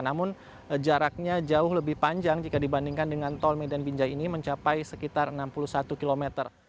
namun jaraknya jauh lebih panjang jika dibandingkan dengan tol medan binjai ini mencapai sekitar enam puluh satu km